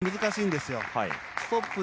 本当に難しいんですよ。